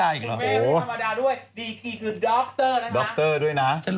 ดีกีดกรูอกรหนัง